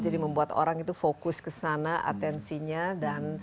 jadi membuat orang itu fokus ke sana atensinya dan